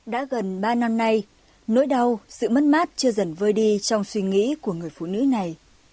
đã gần ba năm nay nỗi đau sự mất mát chưa dần vơi đi trong suy nghĩ của người phụ nữ này